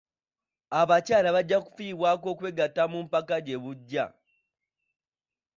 Abakyala bajja kufiibwako okwegatta mu mpaka gye bujja.